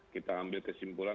kita ambil kesimpulan